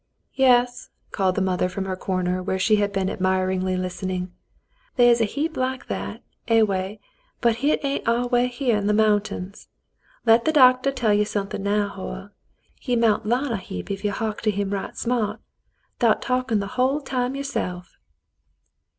"Yas," called the mother from her corner, where she had been admiringly listening; "they is a heap like that a way, but hit ain't our way here in th' mountains. Let th' doctah tell you suthin' now, Hoyle, — ye mount larn a heap if ye'd hark to him right smart, 'thout talkin' th' hull time youse'f."